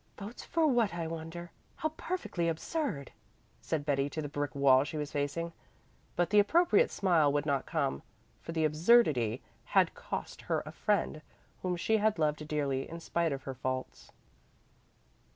"Votes for what, I wonder? How perfectly absurd!" said Betty to the brick wall she was facing. But the appropriate smile would not come, for the absurdity had cost her a friend whom she had loved dearly in spite of her faults.